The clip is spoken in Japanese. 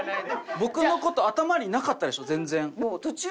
僕の事頭になかったでしょ全然。